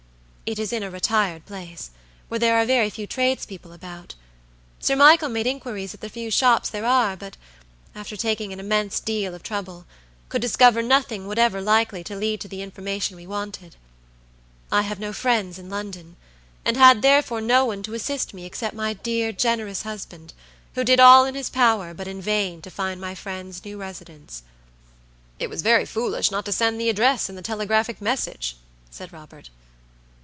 It is in a retired place, where there are very few tradespeople about. Sir Michael made inquiries at the few shops there are, but, after taking an immense deal of trouble, could discover nothing whatever likely to lead to the information we wanted. I have no friends in London, and had therefore no one to assist me except my dear, generous husband, who did all in his power, but in vain, to find my friend's new residence." "It was very foolish not to send the address in the telegraphic message," said Robert.